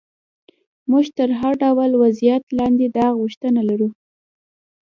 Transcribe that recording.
موږ تر هر ډول وضعیت لاندې دا غوښتنه لرو.